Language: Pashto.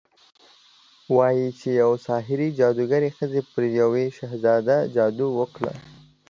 وايي چې يوې ساحرې، جادوګرې ښځې پر يو شهزاده جادو وکړ